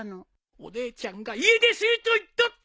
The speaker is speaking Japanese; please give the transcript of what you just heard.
お姉ちゃんが家出すると言っとった！